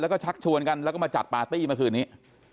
แล้วก็ชักชวนกันแล้วก็มาจัดปาร์ตี้เมื่อคืนนี้